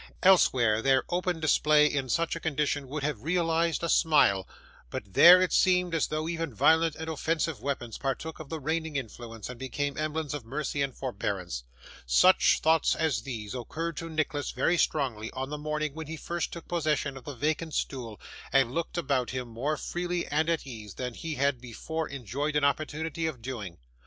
Elsewhere, their open display in such a condition would have realised a smile; but, there, it seemed as though even violent and offensive weapons partook of the reigning influence, and became emblems of mercy and forbearance. Such thoughts as these occurred to Nicholas very strongly, on the morning when he first took possession of the vacant stool, and looked about him, more freely and at ease, than he had before enjoyed an opportunity of doing.